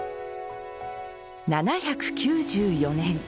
７９４年。